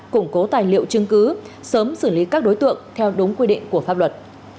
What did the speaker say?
củng cố tài liệu chứng cứ sớm xử lý các đối tượng theo đúng quy định của pháp luật